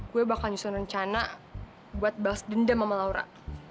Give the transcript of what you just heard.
gue bakal nyusun rencana buat balas dendam sama laura